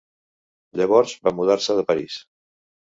Llavors va mudar-se de París.